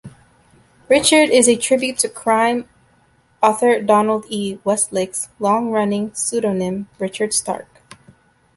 Richard is a tribute to crime author Donald E. Westlake's long-running pseudonym Richard Stark.